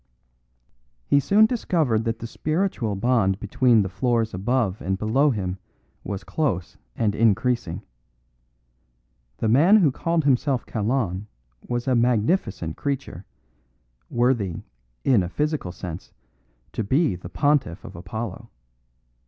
He soon discovered that the spiritual bond between the floors above and below him was close and increasing. The man who called himself Kalon was a magnificent creature, worthy, in a physical sense, to be the pontiff of Apollo.